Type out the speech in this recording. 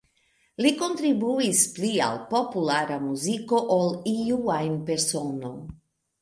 Li kontribuis pli al populara muziko ol iu ajn persono.